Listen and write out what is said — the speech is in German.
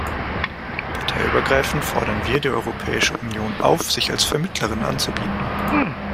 Parteiübergreifend fordern wir die Europäische Union auf, sich als Vermittlerin anzubieten.